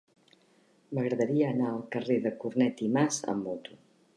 M'agradaria anar al carrer de Cornet i Mas amb moto.